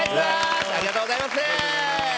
ありがとうございます。